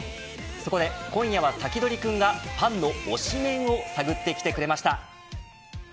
そこで今夜は、サキドリくんがファンの推しメンを探ってきてくれました。